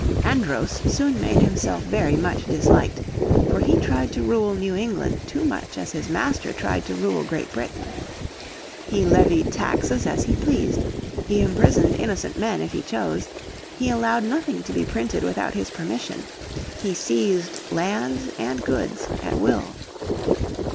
Andros soon made himself very much disliked, for he tried to rule New England too much as his master tried to rule Great Britain. He levied taxes as he pleased, he imprisoned innocent men if he chose, he allowed nothing to be printed without his permission, he seized lands and goods at will.